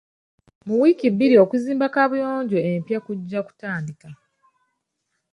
Mu wiiki bbiri okuzimba kabuyonjo empya kujja kutandika.